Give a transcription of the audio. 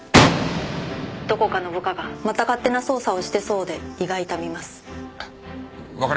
どこかの部下がまた勝手な捜査をしてそうで胃が痛みます。